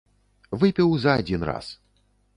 Выпіў за адзін раз.